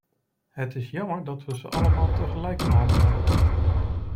Het is jammer dat we ze allemaal tegelijk behandelen.